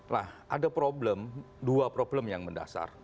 nah ada problem dua problem yang mendasar